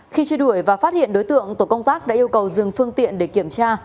khi truy đuổi và phát hiện đối tượng tổ công tác đã yêu cầu dừng phương tiện để kiểm tra